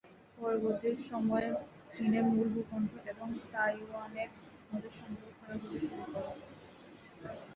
পরবর্তী সময়ে চীনের মূল ভূখণ্ড এবং তাইওয়ানের মধ্যে সম্পর্ক খারাপ হতে শুরু করে।